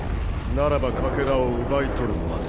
ならばかけらを奪い取るまで。